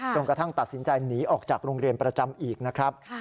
กระทั่งตัดสินใจหนีออกจากโรงเรียนประจำอีกนะครับ